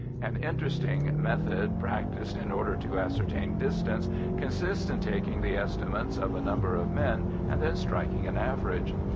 An interesting method practised in order to ascertain distance consists in taking the estimates of a number of men, and then striking an average.